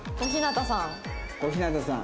小日向さん。